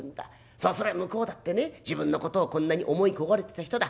そうすりゃ向こうだってね自分のことをこんなに思い焦がれてた人だ。